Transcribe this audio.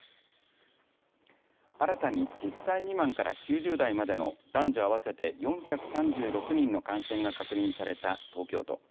新たに１０歳未満から９０代までの男女合わせて４３６人の感染が確認された東京都。